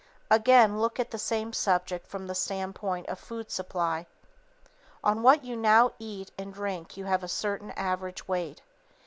_ Again, look at the same subject from the standpoint of food supply. On what you now eat and drink you have a certain average weight.